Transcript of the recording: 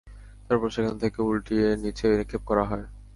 তারপর সেখান থেকে উল্টিয়ে নিচে নিক্ষেপ করা হয়।